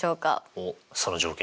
おっその条件